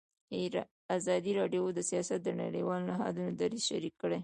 ازادي راډیو د سیاست د نړیوالو نهادونو دریځ شریک کړی.